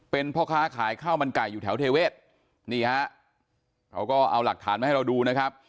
เป็นพ่อค้าขายข้าวมันไก่อยู่แถวเทเวศนี่ฮะเขาก็เอาหลักฐานมาให้เราดูนะครับ